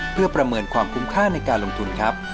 เพื่อประเมินความคุ้มค่าในการลงทุนครับ